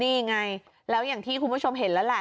นี่ไงแล้วอย่างที่คุณผู้ชมเห็นแล้วแหละ